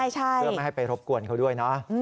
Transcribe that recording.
เพื่อไม่ให้ไปรบกวนเขาด้วยนะ